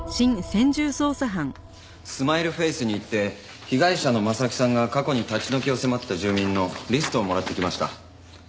住まいるフェイスに行って被害者の征木さんが過去に立ち退きを迫った住人のリストをもらってきました。